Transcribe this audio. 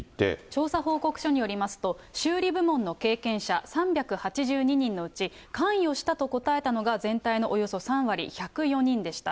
調査報告書によりますと、修理部門の経験者３８２人のうち、関与したと答えたのが全体のおよそ３割、１０４人でした。